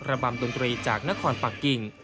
ระบำดนตรีจากนครปักกิ่ง